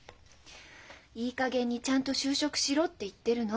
いいかげんにちゃんと就職しろって言ってるの。